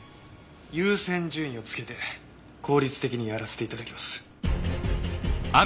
優先順位をつけて効率的にやらせて頂きます。